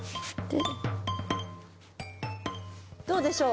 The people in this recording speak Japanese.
どうでしょう？